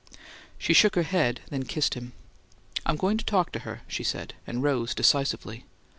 She shook her head, then kissed him. "I'm going to talk to her," she said, and rose decisively.